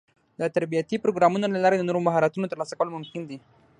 د تربيتي پروګرامونو له لارې د نوو مهارتونو ترلاسه کول ممکن دي.